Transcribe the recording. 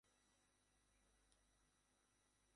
তো, এটাই সেই বাড়ি!